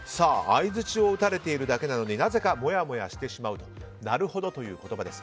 相づちを打たれているだけなのになぜかもやもやしてしまうなるほどという言葉です。